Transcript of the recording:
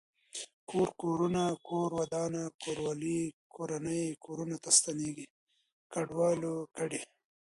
کور کورونه کور ودانه کوروالی کورنۍ کورنو ته ستنيږي کډوالو کډي